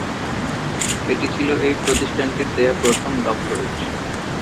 এটি ছিল এই প্রতিষ্ঠানটির দেওয়া প্রথম ডক্টরেট।